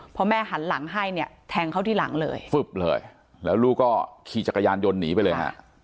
พอแม่หันหลังให้แทงเขาที่หลังเลยสุดท้ายลูกก็ขี่จักรยานยนต์หนีไปเลย